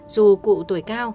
dù cụ tuổi cao